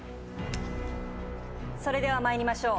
それでは参りましょう。